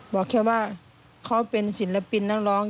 บอกแค่ว่าเขาเป็นศิลปินนักร้อง